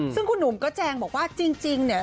ซึ่งคุณหนุ่มก็แจงบอกว่าจริงเนี่ย